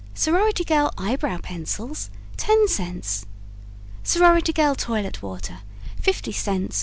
Sorority Girl Eye Brow Pencils 10 cts. Sorority Girl Toilet Water 50 cts.